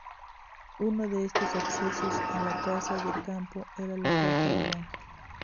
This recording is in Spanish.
Uno de estos accesos a la Casa de Campo era la Puerta del Ángel.